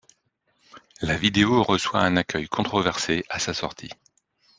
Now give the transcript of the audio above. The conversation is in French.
La vidéo reçoit un accueil controversé à sa sortie.